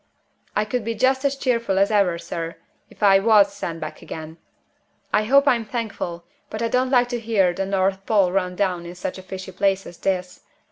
"I could be just as cheerful as ever, sir, if I was sent back again; I hope I'm thankful; but I don't like to hear the North Pole run down in such a fishy place as this.